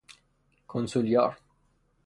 کنسولیار